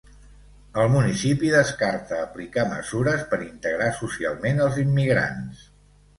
El municipi descarta aplicar mesures per integrar socialment els immigrants.